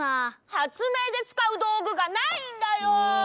発明でつかうどうぐがないんだよ。